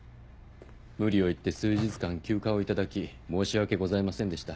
無理を言って数日間休暇を頂き申し訳ございませんでした。